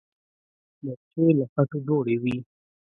مورچې له خټو جوړې وي.